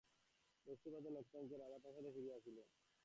বৃষ্টিপাতের লক্ষণ দেখিয়া রাজা প্রাসাদে ফিরিয়া আসিলেন।